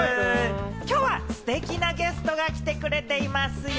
きょうはステキなゲストが来てくれていますよ。